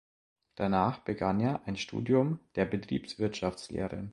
Danach begann er ein Studium der Betriebswirtschaftslehre.